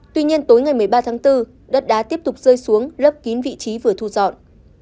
tuy nhiên tối ngày một mươi ba tháng bốn đất đá tiếp tục rơi xuống lấp kín vị trí vừa thu dọn